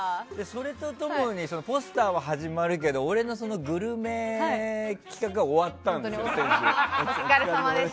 それと共にポスターは始まるけど俺のグルメ企画は先週終わったんですよ。